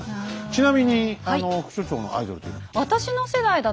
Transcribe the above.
ちなみに副所長のアイドルと言えば？